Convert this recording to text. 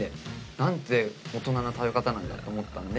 何て大人な食べ方なんだと思ったんで。